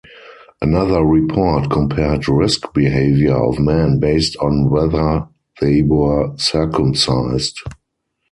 Another report compared risk behaviour of men based on whether they were circumcised.